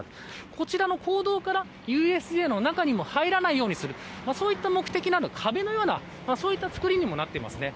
こちらの公道からＵＳＪの中に入らないようにするそういった目的の壁のような作りにもなっています。